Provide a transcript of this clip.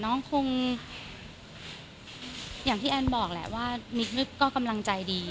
น้องคงอย่างที่แอนบอกแหละว่ามิกก็กำลังใจดี